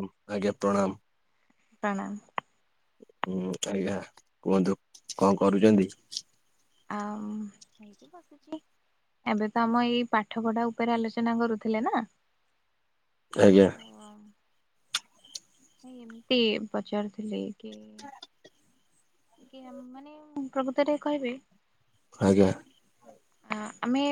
ଆଜ୍ଞା ପ୍ରଣାମ। ପ୍ରଣାମ। ହୁଁ ଆଜ୍ଞା କୁହନ୍ତୁ କଣ କରୁଛନ୍ତି? ଆଁ। [unintelligible] ଏବେ ତ ଆମ ଏଇ ପାଠ ପଢା ଉପରେ ଆଲୋଚନା କରୁଥିଲେ ନା। ଆଜ୍ଞା। ଏମିତି ପଚାରୁଥିଲି କି କି ମାନେ ପ୍ରକୃତରେ କହିବେ ଆଜ୍ଞା। ଆ ଆମେ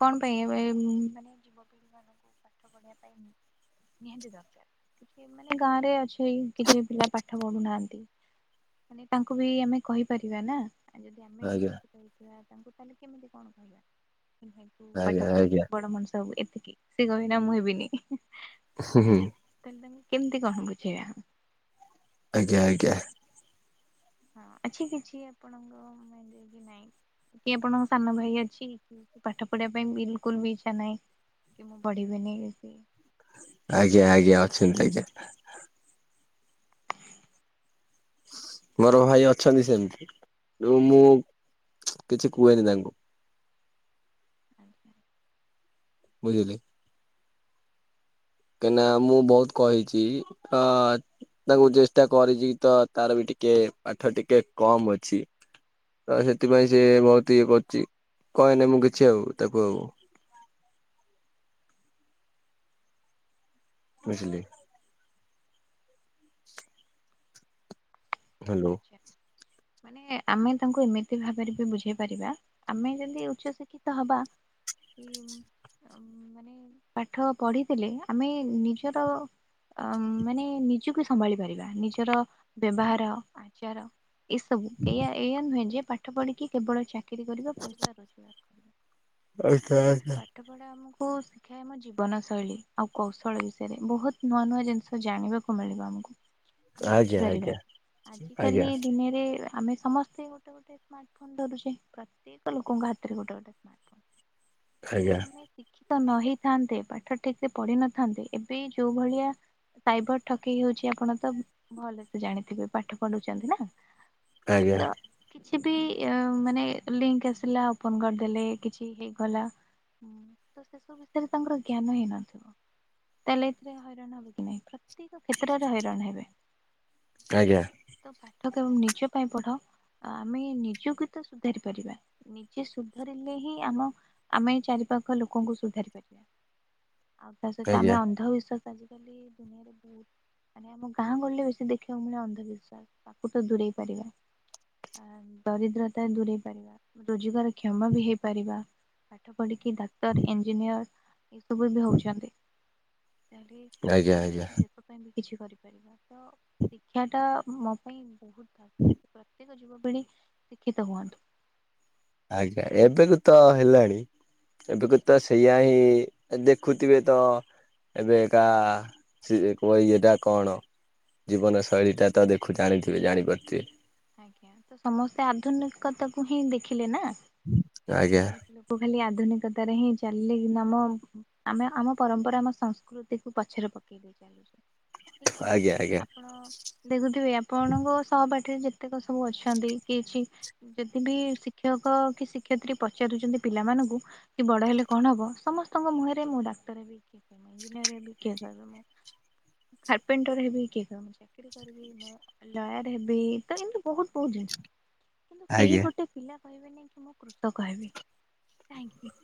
କଣ ପାଇଁ ଏବେ ମାନେ ଯ ପାଠ ପଢ଼ିବା ପାଇଁ। ନିହାତି ଦରକାର କିଛି ମାନେ ଗାଁ ରେ ଅଛି କିଛି ପିଲା ପାଠ ପଢୁନାହାନ୍ତି। ମାନେ ତାଙ୍କୁ ବି ଆମେ କହିପାରିବା ନା ଆ ଯଦି ଆମେ ଆଜ୍ଞା କହି ତାଙ୍କୁ ତାହେଲେ କେମିତି କଣ କହନ୍ତି ଭାଇ ତୁ ଆଜ୍ଞା ପାଠ ପଢ଼ ଆଜ୍ଞା ବଡ ମଣିଷ ହବୁ। ସେ କହିନା ମୁଁ ହେବିନି। ଉଁ ହୁଁ ହୁଁ। ତମେ କେମିତି କଣ ବୁଝେଇବା? ଆଜ୍ଞା, ଆଜ୍ଞା। ହଁ ଅଛି କିଛି ଆପଣଙ୍କ ମାଇଣ୍ଡ ରେ କି ନାଇଁ। କିଏ ଆପଣଙ୍କ ସାନ ଭାଇ ଅଛି ପାଠ ପଢିବା ପାଇଁ ବିଲକୁଲ ବି ଇଚ୍ଛା ନାହିଁ। କି ମୁଁ ପଢ଼ିବିନି ଇଏ ସିଏ। ଆଜ୍ଞା, ଆଜ୍ଞା ଅଛନ୍ତି ଆଜ୍ଞା। ମୋର ଭାଇ ଅଛନ୍ତି ସେମିତି ଯଉ ମୁଁ କିଛି କୁହେନି ତାଙ୍କୁ। ଆଜ୍ଞା। ବୁଝିଲେ? କାହିଁକି ନା ମୁଁ ବହୁତ କହିଛି ତ ତାଙ୍କୁ ଚେଷ୍ଟା କରିଛି ତ ତାର ବିଠ ଟିକେ ପାଠ ଟିକେ କମ୍ ଅଛି ତ ସେଥିପାଇଁ ସେ ବହୁତ ଇଏ କରୁଛି। କହେନି ମୁଁ କିଛି ଆଉ ତାକୁ ଆଉ। [inaudible] ବୁଝିଲେ? ହ୍ୟାଲୋ ଆଚ୍ଛା। ମାନେ ଆମେ ତାଙ୍କୁ ଏମିତି ଭାବରେ ବି ବୁଝେଇ ପାରିବା ଆମେ ଯଦି ଉଚ୍ଚ ଶିକ୍ଷିତ ହବା କି ମାନେ ପାଠ ପଢିଥିଲେ ଆମେ ନିଜର ଅ ମାନେ ନିଜକୁ ସମ୍ଭାଳି ପାରିବା, ନିଜର ବ୍ୟବହାର ଆଚାର ଏସବୁ ଏଇଆ ଏଇଆ ନୁହେଁ ଯେ ପାଠ ପଢିକି କେବଳ ଚାକି ଚାକିରି କରିବା ପଇସା ରୋଜଗାର କରିବା। ଆଜ୍ଞା ପାଠ ପଢା ଆମକୁ ବୋହୂ ଶିଖାଏ ଆମ ଜୀବନ ଶୈଳୀ ଆଉ କୌଶଳ ବିଷୟରେ ବହୁତ ନୂଆ ନୂଆ ଜିନିଷ ଜାଣିବାକୁ ମିଳିବ ଆମକୁ। ଆଜ୍ଞା, ଆଜ୍ଞା। ଆଜି କାଲି ଆଜ୍ଞା ଦୁନିଆରେ ଆମେ ସମସ୍ତେ ଗୋଟେ ଗୋଟେ ସ୍ମାର୍ଟ ଫୋନ ଧରୁଛେ ପ୍ରତ୍ୟେକ ଲୋକଙ୍କ ହାତରେ ଗୋଟେ ଗୋଟେ ସ୍ମାଟ ଫୋନ। ଆଜ୍ଞା ଯଦି ଆମେ ଶିଖି ତ ନ ହେଇଥାନ୍ତେ ପାଠ ଠିକ ସେ ପଢିିନଥାନ୍ତେ ଏବେ ଯୋଉ ଭଳିଆ ସାଇବର ଠକେଇ ହଉଛି ଆପଣ ତ ଭଲସେ ଜାଣିଥିବେ ପାଠ ପଢୁଛନ୍ତି ନା। ଆଜ୍ଞା। କିଛିବି ମାନେ ଲିଙ୍କ ଆସିଲା ଉପନ କରିଦଲେ କିଛି ହେଇଗଲା। ହୁଁ ତ ସେସବୁ ବିଷୟରେ ତାଙ୍କର ଜ୍ଞାନ ହେଇନଥିବ। ତାହେଲେ ଏଥିରେ ହଇରାଣ ହବ କି ନାହିଁ ପ୍ରତ୍ୟେକ କ୍ଷେତ୍ରରେ ହଇରାଣ ହେବେ। ଆଜ୍ଞା। ତ ପାଠ କେବଳ ନିଜ ପାଇଁ ପଢ ଆମେ ନିଜକୁ ତ ସୁଧାରି ପାରିବା ନିଜେ ସୁଧରିଲେ ହିଁ ଆମ ଆମେ ଚାରି ପାଖ ଲୋକଙ୍କୁ ସୁଧାରି ପାରିବା ଆଉ ତା ସହିତ ଆଜ୍ଞା ଆମେ ଅନ୍ଧବିଶ୍ଵାସ ଆଜିକାଲି ଦୁନିଆରେ ବହୁତ ମାନେ ଆମ ଗାଁ ଗହଳି ରେ ବେଶୀ ଦେଖିବା ମିଳେ ଅନ୍ଧ ବିଶ୍ୱାସ। ତାକୁ ତ ଦୂରେଇ ପାରିବା। ଆ ଦରିଦ୍ରତା ଦୂରେଇ ପାରିବା ରୋଜଗାର କ୍ଷମା ବି ହେଇପାରିବା। ପାଠ ପଢିକି ଡାକ୍ତର ଇଞ୍ଜିନିୟର ଏ ସବୁ ବି ହଉଛନ୍ତି। ତାହେଲେ ଆଜ୍ଞା ଆମେ ଆଜ୍ଞା ଦେଶ ପାଇଁ ବି କିଛି କରିପାରିବା ତ ଶିକ୍ଷା ଟା ମୋ ପାଇଁ ବହୁତ ଦରକାର ପ୍ରତ୍ୟେକ ଯୁବପିଢି ଶିକ୍ଷିତ ହୁଅନ୍ତୁ। ଆଜ୍ଞା ଏବେକୁ ତ ହେଲାଣି ଏବେକୁ ତ ସେଇ ଇଆ ହିଁ ଦେଖୁଥିବେ ତ। ଏବେ ଏକା ସେ କୁହ ଏଟା କଣ? ଜୀବନଶୈଳୀ ଟା ତ ଦେଖୁ ଜାଣିଥିବେ ଜାଣିପାରୁଥିବେ। ଆଜ୍ଞା ତ ସମସ୍ତେ ଆଧୁନିକତା କୁ ହିଁ ଦେଖିଲେ ନା। ଆଜ୍ଞା ବହୁତ ଲୋକ ଖାଲି ଆ ଆଧୁନିକତାରେ ହିଁ ଚାଲିଲେ କିନ୍ତୁ ଆମ ଆମେ ଆମ ପରମ୍ପରା ଆମ ସଂସ୍କୃତିକୁୁ ପଛରେ ପକେଇ ଦେଇଛୁ। ଠିକ ନା ନାଇଁ ଆଜ୍ଞା ଆଜ୍ଞା ଆପଣ ଦେଖୁଥିବେ ଆପଣଙ୍କ ସହପାଠୀରେ ଯେ କେତେକ ସବୁ ଅଛନ୍ତି କିଛି ଯଦି ବି ଶିକ୍ଷକ କି ଶିକ୍ଷୟତ୍ରୀ ପଚାରୁଛନ୍ତି ପିଲାମାନଙ୍କୁ। ହବୁ କି ବଡ ହେଲେ କଣ ହବ ସମସ୍ତଙ୍କ ମୁହଁରେ ମୁଁ ଡାକ୍ତର ହେବି କି ଇଂଜିନିୟର କିଏ କହିବ ମୁଁ ଖାପେଣ୍ଟର ହେବି କିଏ କହିବ ମୁଁ ଚାକିରୀ କରିବି ମୁଁ ଲୟର ହେବି। ତ ଏମତି ବହୁତ ବହୁତ ଜିନିଷ କିନ୍ତୁ କେହି ଆଜ୍ଞା ଗୋଟେ ପିଲା କହିବେ ନାହିଁ କି ମୁଁ କୃଷକ ହେବି କାହିଁକି।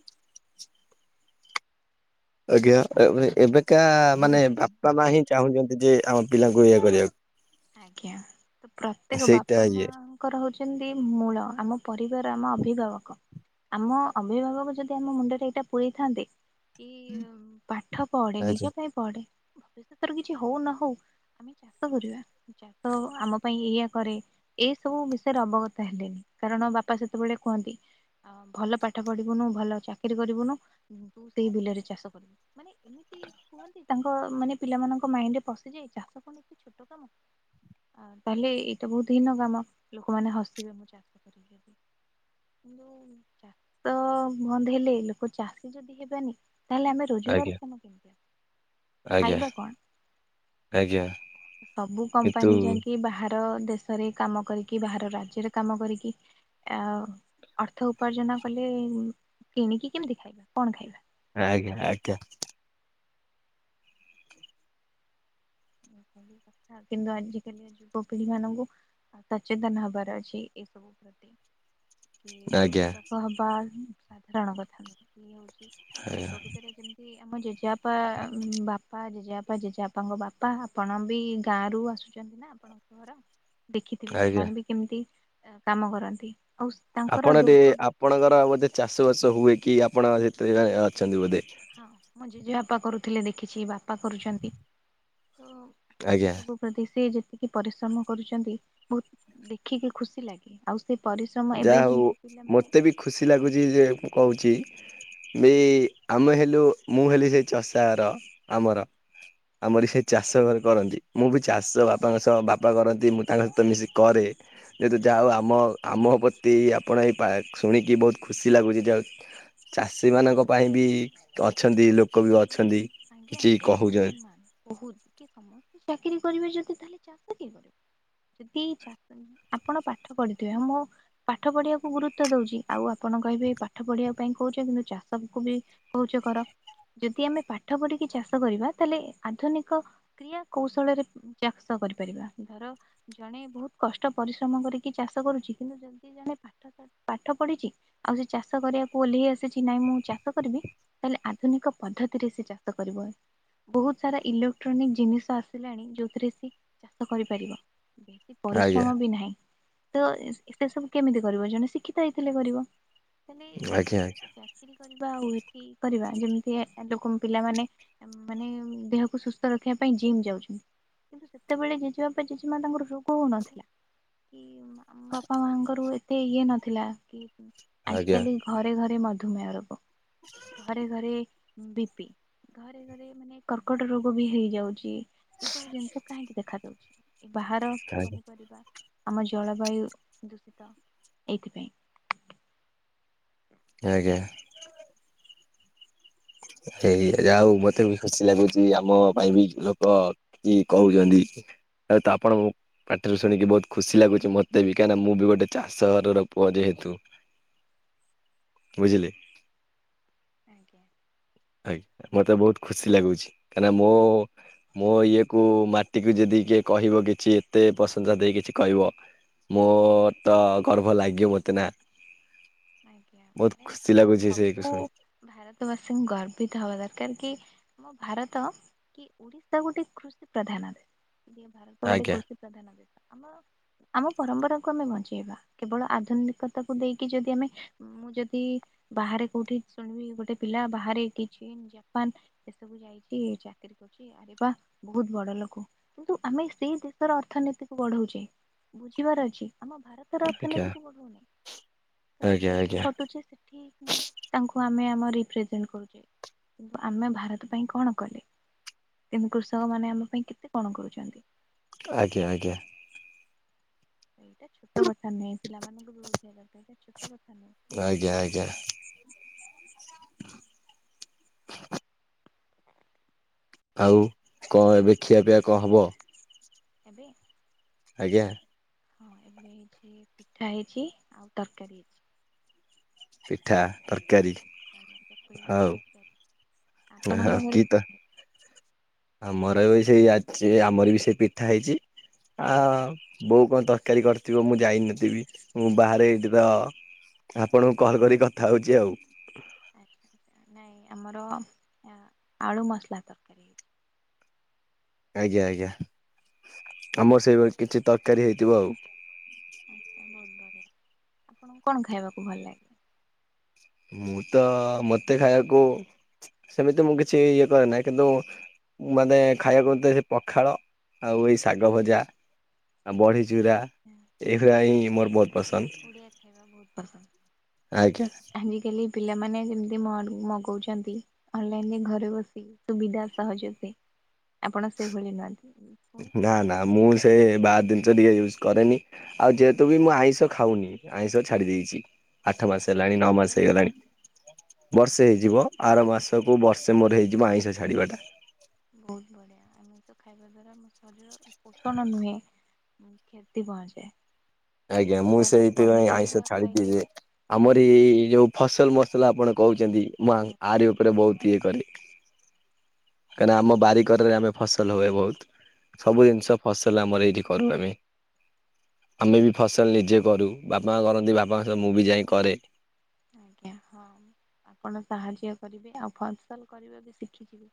ଆଜ୍ଞା ଏବେ ଏବେକା ମାନେ ବାପା ମା ହିଁ ଚାହୁଁଛନ୍ତି ଯେ ଆମ ପିଲାଙ୍କୁ ଇଏ କରିବାକୁ। ଆଜ୍ଞା ତ ପ୍ରତ୍ୟେକ ସେଇଟା ବାପା ଇଏ ମାଙ୍କର ହଉଛି। ଛନ୍ତି ମୂଳ ଆମ ପରିବାର ଆମ ଅଭିଭାବକ। ଆମ ଅଭିଭାବକ ଯଦି ଆମ ମୁଣ୍ଡରେ ଏଇଟା ପୁରେଇଥାନ୍ତେ। କି ପାଠ ପଢେ ଆଜ୍ଞା ନିଜ ପାଇଁ ପଢେ। ଭବିଷ୍ୟତରେ କିଛି ହଉ ନ ହଉ ଆମେ ଚାଷ କରିବା। ଚାଷ ଆମ ପାଇଁ ଏଇଆ କରେ ଏଇସବୁ ବିଷୟରେ ଅବଗତ ହେଲେନି କାରଣ ବାପା ସେତେବେଳେ। କୁହନ୍ତି। ଭଲ ପାଠ ପଢିବୁନୁ ଭଲ ଚାକିରି କରିବୁନୁ ତୁ ସେଇ ବିଲରେ ଚାଷ କରିବୁ ମାନେ ଏମିତି କୁହନ୍ତି ତାଙ୍କ ମାନେ ପିଲାମାନଙ୍କ ମାଇଣ୍ଡରେ ପସିଯାଏ ଚାଷ କଣ ଏତେ ଛୋଟ କାମ। ଆ ତାହେଲେ ଏଇଟା ବହୁତ ହୀନ କାମ ଲୋକମାନେ ହସିବେ ମୁଁ ଚାଷ କରିଲେ। କିନ୍ତୁ ଚାଷ ବନ୍ଦ ହେଲେ ଲୋକ ଚାଷୀ ଯଦି ହେବାନି। ତାହେଲେ ଆମେ ଆଜ୍ଞା ରୋଜଗାର କ୍ଷମ କେମିତି ହେବା। ଆଜ୍ଞା ଆଜ୍ଞା। ସବୁ କିନ୍ତୁ କମ୍ପାନୀ ଯାଇଁକି ବାହାରେ। ବାହାର ଦେଶରେ କାମ କରିକି ବାହାର ରାଜ୍ୟରେ କାମ କରିକି ଆ ଅର୍ଥ ଉପାର୍ଜନ କଲେ କିଣିକି କେମିତି ଖାଇବା କଣ ଖାଇବା? ଆଜ୍ଞା ଆଜ୍ଞା। କଥା କିନ୍ତୁ ଆଜିକାଲି ଯୁବପିଢି ମାନଙ୍କୁ ସଚେତନ ହବାର ଅଛି ଏ ସବୁ। କି ଆଜ୍ଞା କୃଷକ ହବା ସାଧାରଣ କଥା କିଏ ହଉଛି। ଆଜ୍ଞା ପ୍ରକୃତରେ ଯେମତି ଆମ ଜେଜେବାପା, ବାପା, ଜେଜେବାପା, ଜେଜେବାପାଙ୍କ ବାପା। ଆପଣ ବି ଗାଁରୁ ଆସୁଚନ୍ତି ନା ଆପଣଙ୍କ ଘର ଦେଖିଥିବେ ଆଜ୍ଞା ସେମାନେ ବି କେମତି କାମ କରନ୍ତି। ଆଉ ତାଙ୍କର ଆପଣ ଦେ ରୋଗ ବି ଆପଣଙ୍କର ବୋଧେ ଚାଷବାସ ହୁଏ କି ଆପଣ ଏଥେରେ ଅଛନ୍ତି ବୋଧେ। ହଁ ମୋ ଜେଜେବାପା କରୁଥିଲେ ଦେଖିଚି ବାପା କରୁଛନ୍ତି। ତ ଆଜ୍ଞା ଏସବୁ ପ୍ରତି ସେ ଯେତ୍ ତିକି ପରିଶ୍ରମ କରୁଚନ୍ତି ବହୁତ ଦେଖିକି ଖୁସି ଲାଗେ। ଆଉ ସେ ପରିଶ୍ରମ ଯା ଏବେ ହଉ ଯେମିତି ପିଲାମାନେ ମତେ ବି ଖୁସି ଲାଗୁଚି ଯେ ମୁଁ କହୁଚି ଦେଇ ଆମେ ହେଲୁ, ମୁଁ ହେଲି ସେ ଚଷାର ଆମର। ଆମରି ସେ ଚାଷ ଇ କରନ୍ତି ମୁଁ ବି ଚାଷ ବାପାଙ୍କ ସହ ବାପା କରନ୍ତି ମୁଁ ତାଙ୍କ ସହିତ ମିଶିକି କରେ। ଯେହେତୁ ଯାହା ହଉ ଆମ ଆମ ପତି ଆପଣ ଏଇ ପାକ୍ ଶୁଣିକି ବହୁତ ଖୁସି ଲାଗୁଚି ଯାଉତ୍ ଚାଷୀ ମାନଙ୍କ ପାଇଁ ବି ଅଛନ୍ତି ଲୋକ ବି ଅଛନ୍ତି। ଆଜ୍ଞା କିଛି ବହୁତ କହୁଛନ୍ତି ସମ୍ମାନ ବହୁତ କି ସମ୍ମାନ। ଚାକିରି କରିବି ଯଦି ତାହେଲେ ଚାଷ କିଏ କରିବ? ଯଦି ଚା ଆପଣ ପାଠ ପଢିଥିବେ ମୁଁ ପାଠ ପଢିବାକୁ ଗୁରୁତ୍ଵ ଦଉଚି ଆଉ ଆପଣ ମୁଁ କହିବି ପାଠ ପଢିବା ପାଇଁ କହୁଚ କିନ୍ତୁ ଚାଷକୁ ବି କହୁଚ କର। ଯଦି ଆମେ ପା ପାଠ ପଢିକି ଚାଷ କରିବା ତାହେଲେ ଆଧୁନିକ କ୍ରିୟା କୌଶଳରେ ଚାଷ କରିପାରିବା। ଧର ଜଣେ ବହୁତ କଷ୍ଟ ପରିଶ୍ରମ କରିକି ଚାଷ କରୁଚି କିନ୍ତୁ ଯଦି ଜଣେ ପାଠ ପାଠ ପଢିଚି ଆଉ ସେ ଚାଷ କରିବାକୁ ଓହ୍ଲେଇ ଆସିଚି ନାଇଁ ମୁଁ ଚାଷ କରିବି ତାହେଲେ ଆଧୁନିକ ପଦ୍ଧତିରେ ସେ ଚାଷ ତ କରିବ। ବହୁତ ସାରା ଇଲୋକ୍ଟ୍ରୋନିକ ଜିନିଷ ଆସିଲାଣି ଯୋଉଥିରେ ସେ ଚାଷ କରିପାରିବ। ବେଶୀ ଆଜ୍ଞା ପରିଶ୍ରମ ବି ନାହିଁ। ତ ଏତେ ସବୁ କେମିତି କରିବ ଜଣେ ଶିକ୍ଷିତ ହେଇଥିଲେ କରିବ। ତାଲେ ଆଜ୍ଞା ଚାକିରି କରିବା ଏଠି କରିବା ଯେମିତି ଏ ଏଲୋକମ୍ ପିଲାମାନେ ଆମେ ମାନେ ଦେହକୁ ସୁସ୍ଥ ରଖିବା ପାଇଁ ଜିମ୍ ଯାଉଛନ୍ତି। କିନ୍ତୁ ସେତେବେଳେ ଜେଜେ ବାପା, ଜେଜେମା ତାଙ୍କର ରୋଗ ହଉନଥିଲା। କି ଆମ ବାପା ମା ଙ୍କର ଉ ଏତେ ଇଏ ନଥିଲା କି ଆଜ୍ଞା ଆଜିକାଲି ଘରେ ଘରେ ମଧ୍ ଧୁମେହ ରୋଗ ଘରେ ଘରେ ବି ପି। ଘରେ ଘରେ ମାନେ କର୍କଟ ରୋଗ ବି ହେଇଯାଉଚି ଏଇ ସବୁ ଜିନିଷ କାହିଁକି ଦେଖାାଯାଉଚି। ବାହାର ଆଜ୍ଞା ପନିପରିବା ଆମ ଜଳବାୟୁ ଦୂଷିତ ଏଇଥିପାଇଁ। ଆଜ୍ଞା। ହେଇ ଯା ହଉ ମତେ ବି ଖୁସି ଲାଗୁଚି ଆମ ପାଇଁ ବି ଲୋକ କିଏ କହୁଚନ୍ତି। ଠିକ୍ ତମେ। ଆଉ ତ ଆପଣଙ୍କୁ ପାଟିରୁ ଶୁଣିକି ବହୁତ ଖୁସି ଲାଗୁଚି ମୋତେ ବି କାହିଁନା ମୁଁ ବି ଗୋଟେ ଚାଷ ଘର ପୁଅ ଯେହେ ତୁ ବୁଝିଲେ। ଆଜ୍ଞା। ଆଜ୍ଞା। ମତେ ବହୁତ ଖୁସି ଲାଗୁଛି, କାହିଁନା ମୋ ମୋ ଇଏ କୁ ମାଟିକୁ ଯେଦି କିଏ କହିବ କିଛି ଏତେ ପ୍ରଶଂସା ଦେଇ କିଛି କହିବ ମୋ ତ ଗର୍ବ ଲାଗିବ ମୋତେ ନା। ଆଜ୍ଞା ବହୁତ ମାନେ ଖୁସି ପୁରା ଲାଗୁଛି ସେଇକୁ ସବୁ ଶୁଣି ଭାରତବାସୀଙ୍କୁ ଗର୍ ବି ତ ହବା ଦରକାର କି, ଆମ ଭାରତ କି ଓଡିଶା ଗୋଟେ କୃଷି ପ୍ରଧାନ ଯେ ଭାରତ ଗୋଟେ ଆଜ୍ଞା କୃଷି ପ୍ରଧାନ ଦେଶ। ଆମ, ଆମ ପରମ୍ପରାକୁ ଆମେ ବଞ୍ଚେଇବା କେବଳ ଆଧୁନିକତାକୁ ଦେଇକି ଯଦି ଆମେ ମୁଁ ଯଦି ବାହାରେ କୋଉଠି ଶୁଣିବି ଗୋଟେ ପିଲା ବାହାରେ କି ଚୀନ ଜାପାନ ଏ ସବୁ ଯାଇକି ଚାକିରି କରୁଚି। ଆରେ ବା ବହୁତ ବଡ ଲୋକ କିନ୍ତୁ ଆମେ ସେଇ ଦେଶର ଅର୍ଥନୀ ବଢ଼ାଉଚେ ବୁଝିବାର ଅଛି ଆମ ଭାରତର ଆଜ୍ଞା ଅର୍ଥନୀତି କୁ ବଢଉନେ। ଆଜ୍ଞା। ସେଠି ଆଜ୍ଞା କଟୁଛି ସେଠି ତାଙ୍କୁ ଆମେ ଆମ ରେପ୍ରେସେଣ୍ଟ କରୁଛେ, କିନ୍ତୁ ଆମେ ଭାରତ ପାଇଁ କଣ କଲେ? ତେଣୁ କୃଷକ ମାନେ ଆମ ପାଇଁ କେତେ କଣ କରୁଛନ୍ତି। ଆଜ୍ଞା, ଆଜ୍ଞା। ଏଇଟା ଛୋଟ କଥା ନାହିଁ। ପିଲାମାନଙ୍କୁ ବି ବୁଝେଇବା ପାଇଁ ଏଇଟା ଛୋଟ କଥା ନାହିଁ। ଆଜ୍ଞା, ଆଜ୍ଞା। ଆଉ କ ଏବେ ଖିଆପିଆ କଁ ହବ? ଏବେ। ଆଜ୍ଞା। ହଁ ଏବେ ହେଇଛି ପିଠା ହେଇଛି ଆଉ ତରକାରୀ ହେଇଛି। ପିଠା ତର ଆଜ୍ଞା, ଚକୁଳି ପିଠା ତରକାରୀ ଆପଣଙ୍କ ଘରେ କି ତ କଣ ହେ ଆମର ବି ସେଇଛି ଆମର ବି ସେଇ ପିଠା ହେଇଛି। ଆ ଆରେବା ବୋଉ କଣ ତରକାରୀ କରି ଥିବ ମୁଁ ଯାଇନଥିବି ମୁଁ ବାହାରେ ଏଇଠି ତ ଆପଣଙ୍କୁ କଲ୍ କରି କଥା ହଉଛି ଆଉ। ଆଚ୍ଛା ଆଚ୍ଛା ନାଇଁ ଆମର ଆଳୁ ମସଲା ତରକାରୀ ହେଇଛି। ଆଜ୍ଞା ଆଜ୍ଞା ଆମର ସେଇଭଳି କିଛି ତରକାରୀ ହେଇଥିବ ଆଉ। ଆଚ୍ଛା ବହୁତ ବଢିଆ। ଆପଣଙ୍କୁ କଣ ଖାଇବାକୁ ଭଲ ଲାଗେ? ମୁଁ ତ, ମୋତେ ଖାଇବାକୁ ସେମିତି ମୁଁ କିଛି ଇଏ କରେ ନାହିଁ କିନ୍ତୁ ମାନେ ଖାଇବାକୁ ସେ ପଖାଳ ଆଉ ଏଇ ଶାଗ ଭଜା, ଆଉ ବଢି ଚୁରା, ଏଇଗୁଡା ହିଁ ମୋର ବହୁତ୍ ଓଡ଼ିଆ ଖାଇବା ବହୁତ ଆଜ୍ଞା ପସନ୍ଦ ଆଜି କାଲି ପିଲାମାନେ ଯେମିତି ମଡ- ମଗଉଛନ୍ତି ଅନଲାଇନ ରେ ଘରେ ବସି ସୁବିଧା ସହଜ ସେ ଆପଣ ସେଇଭଳି ନୁହନ୍ତି। ଶୁଣିକି ନା ନା ମୁଁ ସେ ବାହାଦୂର- ଟିକେ ୟୁଜ୍ କରେନି ଆଉ ଯେହେତୁ ବି ମୁଁ ଆଇଁଷ ଖାଉନି ଆଇଁଷ ଛାଡ଼ି ଦେଇେଛି। ବହୁତ ଆଠ ମାସ ବଢିଆ ହେଲାଣି ନଅ ମାସ ହେଇଗଲାଣି। ବର୍ଷେ ହେଇଯିବ ଆର ମାସକୁୁ ବର୍ଷେ ମୋର ହେଇଯିବ ଆଇଁଷ ଛାଡିବା ଟା। ବୋହୁତ ବଢିଆ ଆମେ ତ ଖାଇବା ଦ୍ଵାରା ଆମ ଶରୀର ପୋଷଣ ନୁହେଁ। କ୍ଷତି କଣ ଯେ? ଆଜ୍ଞା ମୁଁ ସେଇଥିପାଇଁ ଆଇଁଷ ଛାଡିଛିି ଖାଇଲେ ଯେ ହିଁ ଦେହ ଆମର ଏଇ ଯୋଉ ଫସଲ ମସଲା ଆପଣ କହୁଛନ୍ତି ମୁଁ ୟାଙ୍କ-ଆରି ଉପରେ ବହୁତ ଇଏ କରେ। କାହିଁକି ଆମ ବାରିକରରେ ଆମେ ଫସଲ ହୁଏ ବହୁତ ସବୁ ଜିନିଷ ଫସ ତାହେଲେ ଆମର ଏଇଠି କରୁ ଆମେ। ଆମେ ବି ଫସଲ ନିଜେ କରୁ ବାପା କରନ୍ତି ବାପାଙ୍କ ସହିତ ମୁଁ ବି ଯାଇ କରେ। ଆଜ୍ଞା ହଁ ଆପଣ ସାହାଯ୍ୟ କରିବେନା ଆଉ ଫସଲ କରିବା ବି ଶିଖିଯିବେ।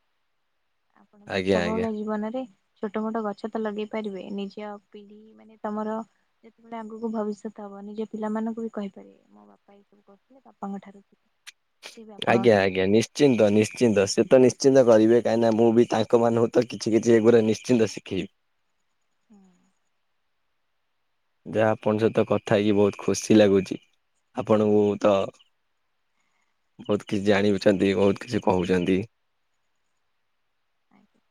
ଆପଣ ଆଜ୍ଞା ବ୍ୟସ୍ତ ଆଜ୍ଞା। ବହୁଳ ଜୀବନରେ ଛୋଟ ମୋଟ ଗଛ ତ ଲଗେଇ ପାରିବେ ନିଜ ପିଢି ମାନେ ତମର ଯେତେବେଳେ ଆଗକୁ ଭବିଷ୍ୟତ ହବ। ହବ ନିଜ ପିଲାମାନଙ୍କୁ ବି କହିପାରିବେ ମୋ ବାପା ଏଇ ସବୁ କରୁଥିଲେ ବାପାଙ୍କ ଠାରୁ। [inaudible] ବି ଆପଣଙ୍କ ଆଜ୍ଞା ଠାରୁ ଆଜ୍ଞା ନିଶ୍ଚିନ୍ତ ନିଶ୍ଚିନ୍ତ ସେ ତ ନିଶ୍ଚିତ। ନିଶ୍ଚିନ୍ତ କରିବେ କାହିଁକିନା ମୁଁ ବି ତାଙ୍କମାନଙ୍କୁ ତ କିଛି କିଛି ଏଗୁଡ଼ା ନିଶ୍ଚିନ୍ତ ଶିଖେଇବି। ହୁଁ। ଯାହା ଆପଣଙ୍କ ସହିତ କଥା ହେଇକି ବହୁତ ଖୁସି ଲାଗୁଛି ଆପଣଙ୍କୁ ମୁଁ ତ ବହୁତ କିଛି ଜାଣି ବି ଛନ୍ତି ବହୁତ କିଛି କହୁଛନ୍ତି। ଆଜ୍ଞା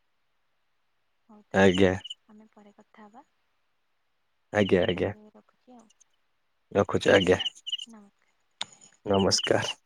ହଉ ତାହେଲେ ଆଜ୍ଞା ଆଉ ଆମେ ପରେ କଥା ହେବା। ଆଜ୍ଞା ଏବେ ଆଜ୍ଞା ତାହେଲେ ରଖୁଛି ଆଉ। ରଖୁଛି ଆଜ୍ଞା, ନମସ୍କାର। ନମସ୍କାର।